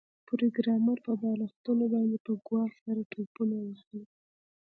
پروګرامر په بالښتونو باندې په ګواښ سره ټوپونه وهل